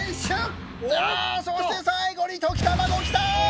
ああっそして最後に溶き卵きた！